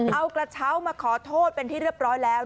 เอากระเช้ามาขอโทษเป็นที่เรียบร้อยแล้ว